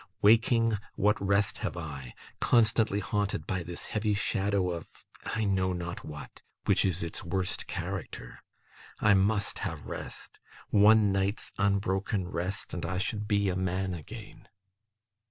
Waking, what rest have I, constantly haunted by this heavy shadow of I know not what which is its worst character? I must have rest. One night's unbroken rest, and I should be a man again.